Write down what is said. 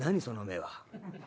その目は。